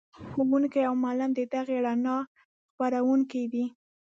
ښوونکی او معلم د دغې رڼا خپروونکی دی.